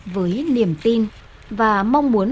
với niềm tin và mong muốn